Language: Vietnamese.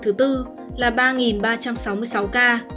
thứ tư là ba ba trăm sáu mươi sáu ca